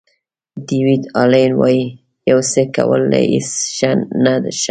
ډیویډ الین وایي یو څه کول له هیڅ نه ښه دي.